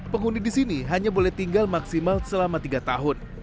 penghuni disini hanya boleh tinggal maksimal selama tiga tahun